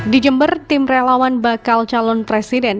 di jember tim relawan bakal calon presiden